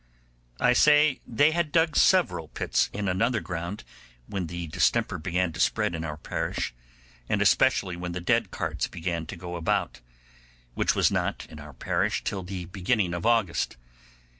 I say they had dug several pits in another ground, when the distemper began to spread in our parish, and especially when the dead carts began to go about, which was not, in our parish, till the beginning of August.